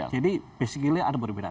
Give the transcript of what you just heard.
jadi basically ada perbedaan